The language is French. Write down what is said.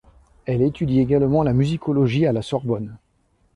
Elle étudie également la musicologie à la Sorbonne.